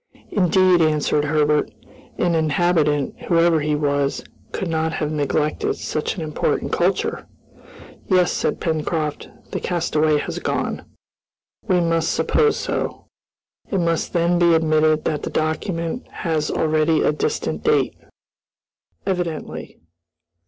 "Indeed," answered Herbert, "an inhabitant, whoever he was, could not have neglected such an important culture!" "Yes," said Pencroft, "the castaway has gone." "We must suppose so." "It must then be admitted that the document has already a distant date?" "Evidently."